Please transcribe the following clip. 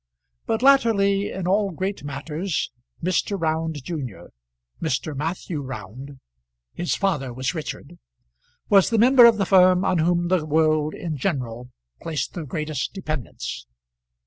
But latterly in all great matters Mr. Round junior, Mr. Matthew Round, his father was Richard, was the member of the firm on whom the world in general placed the greatest dependence.